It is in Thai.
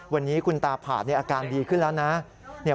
วันนี้คุณตาผ่านอาการดีขึ้นแล้วนะ